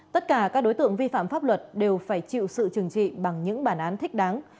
tất cả các đối tượng vi phạm pháp luật đều phải chịu sự trừng trị bằng những bản án thích đáng